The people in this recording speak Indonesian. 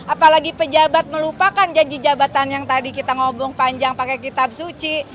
apalagi pejabat melupakan janji jabatan yang tadi kita ngomong panjang pakai kitab suci